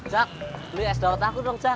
cak lu es daging dongca